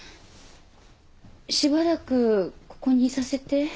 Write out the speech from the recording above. しばらくここにいさせて。